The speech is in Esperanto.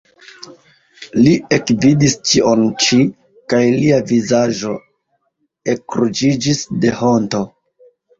Li ekvidis ĉion ĉi, kaj lia vizaĝo ekruĝiĝis de honto.